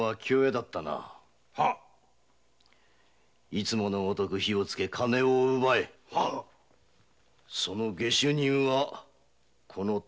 いつものごとく火をつけ金を奪えその下手人はこの「トビクチ」の持ち主だ。